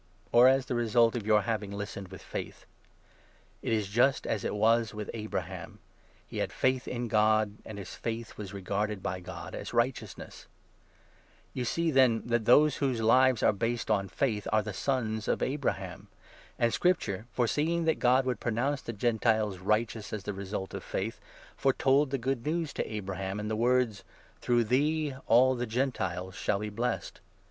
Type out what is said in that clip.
or as the result of your having listened with faith ? It is just as it was with Abraham —' He had faith in God, and his faith was regarded by God as righteousness.' Faith not see' t^6"' ^at those whose lives are based 7 Law,' the on faith are the Sons of Abraham. And Scripture, 8 Ground of foreseeing that God would pronounce the Gentiles Acceptance. rjghteous ag the result Qf fajth> foretold the Good News to Abraham in the words —' Through thee all the Gentiles shall be blessed.'